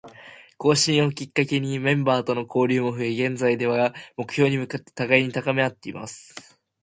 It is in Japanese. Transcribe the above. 更新をきっかけにメンバーとの交流も増え、現在では、目標に向かって互いに高めあっています。